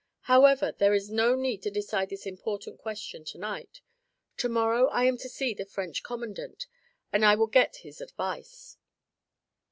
However, there is no need to decide this important question to night. To morrow I am to see the French commandant and I will get his advice."